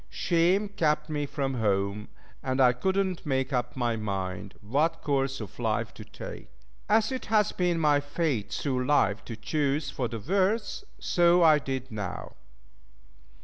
Shame kept me from home, and I could not make up my mind what course of life to take. As it has been my fate through life to choose for the worst, so I did now.